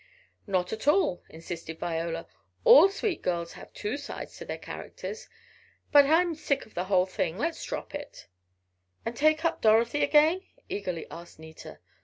"Not at all," insisted Viola, "all sweet girls have two sides to their characters. But I am sick of the whole thing. Let's drop it." "And take up Dorothy again?" eagerly asked Nita.